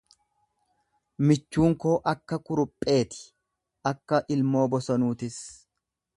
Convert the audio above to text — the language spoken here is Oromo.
michuun koo akka kuruphee ti, akka ilmoo bosonuutis.